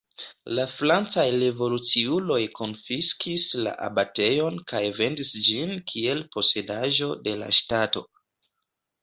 La francaj revoluciuloj konfiskis la abatejon kaj vendis ĝin kiel posedaĵo de la ŝtato.